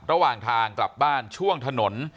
ระหว่างทางกลับบ้านช่วงถนน